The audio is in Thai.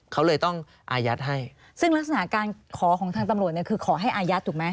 เขาเลยต้องอายัดให้ซึ่งลักษณะการขอของทางตำรวจเนี่ยคือขอให้อายัดถูกไหม